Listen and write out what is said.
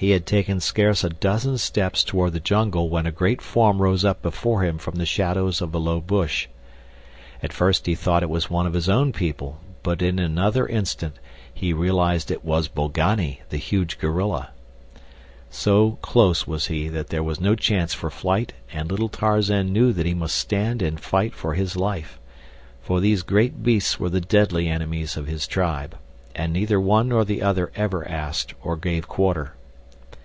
He had taken scarce a dozen steps toward the jungle when a great form rose up before him from the shadows of a low bush. At first he thought it was one of his own people but in another instant he realized that it was Bolgani, the huge gorilla. So close was he that there was no chance for flight and little Tarzan knew that he must stand and fight for his life; for these great beasts were the deadly enemies of his tribe, and neither one nor the other ever asked or gave quarter.